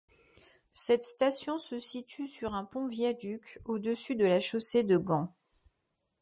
Cette station se situe sur un pont-viaduc, au-dessus de la Chaussée de Gand.